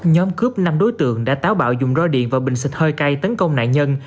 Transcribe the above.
nhóm cướp năm đối tượng đã táo bạo dùng roi điện và bình xịt hơi cay tấn công nạn nhân